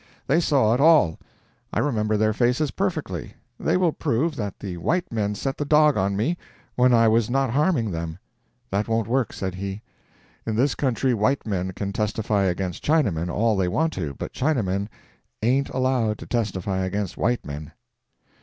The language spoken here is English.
"They saw it all. I remember their faces perfectly. They will prove that the white men set the dog on me when I was not harming them." "That won't work," said he. "In this country white men can testify against Chinamen all they want to, but Chinamen ain't allowed to testify against white men!"